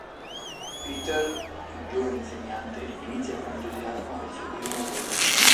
Péter, un giovane insegnante, inizia con entusiasmo il suo primo lavoro.